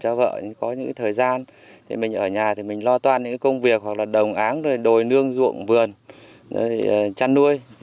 cố gắng để mình tạo điều kiện cho vợ có những thời gian thì mình ở nhà thì mình lo toan những công việc hoặc là đồng áng đồi nương ruộng vườn chăn nuôi